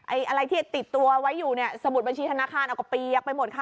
อะไรที่ติดตัวไว้อยู่เนี่ยสมุดบัญชีธนาคารเอาก็เปียกไปหมดค่ะ